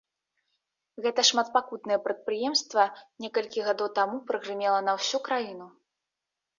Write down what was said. Гэта шматпакутнае прадпрыемства некалькі гадоў таму прагрымела на ўсю краіну.